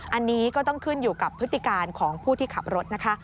อันนี้ก็ต้องขึ้นอยู่กับพฤติการของผู้ที่ขับรถนะคะ